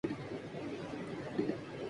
یہ سب باتیں پیش نظر نہ ہوں۔